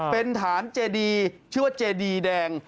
เป็นฐานเจดีชื่อว่าเจดีแดง